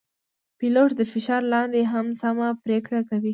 پیلوټ د فشار لاندې هم سمه پرېکړه کوي.